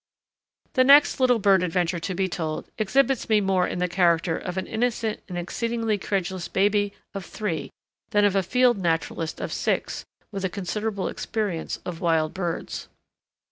The next little bird adventure to be told exhibits me more in the character of an innocent and exceedingly credulous baby of three than of a field naturalist of six with a considerable experience of wild birds.